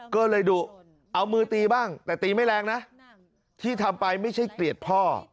ก็เลยดุเอามือตีบ้างแต่ตีไม่แรงนะที่ทำไปไม่ใช่เกลียดพ่อ